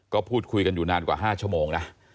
ก็พูดคุยกันอยู่นานกว่า๕ชั่วโมงนะ